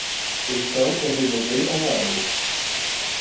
Então eu reservei online.